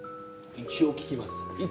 一応聞きます。